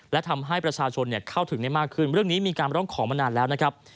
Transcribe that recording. และทำให้ประชาชนเข้าถึงได้มากขึ้นเรื่องนี้มีการร้องขอมานานแล้วนะครับ